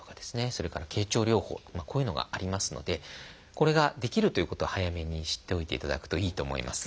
それから経腸療法こういうのがありますのでこれができるということを早めに知っておいていただくといいと思います。